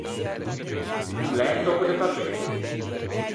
Ti ô l’æ un tòcco de papê?